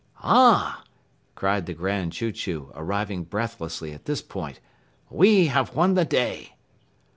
"Ah!" cried the Grand Chew Chew, arriving breathlessly at this point, "We have won the day!"